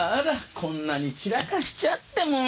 こんなに散らかしちゃってもう！